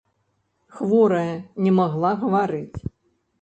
Хворая не магла гаварыць.